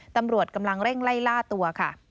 ตำรวจกำลังเร่งไล่ล่าตัวค่ะ